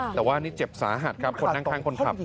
แต่ว่านี่เจ็บสาหัสครับคนนั่งข้างคนขับ